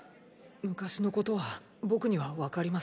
昔のことは僕にはわかりません。